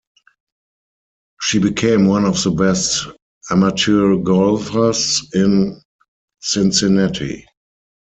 She became one of the best amateur golfers in Cincinnati.